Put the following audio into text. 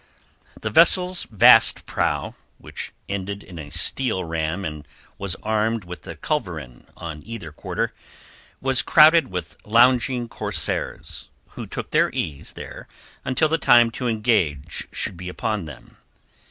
The vessel's vast prow, which ended in a steel ram and was armed with a culverin on either quarter, was crowded with lounging corsairs, who took their ease there until the time to engage should be upon them.